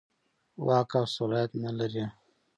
واک او صلاحیت نه لري.